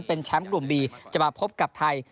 เป็นแชมป์กลุ่มบีจะมาพบกับไทย